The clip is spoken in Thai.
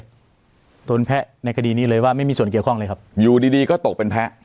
โดนแพะในคดีนี้เลยว่าไม่มีส่วนเกี่ยวข้องเลยครับอยู่ดีดีก็ตกเป็นแพ้